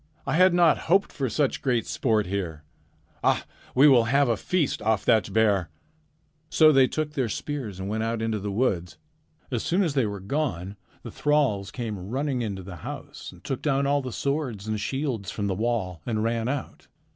I had not hoped for such great sport here. Ah, we will have a feast off that bear!' "So they took their spears and went out into the woods. As soon as they were gone, the thralls came running into the house and took down all the swords and shields from the wall and ran out.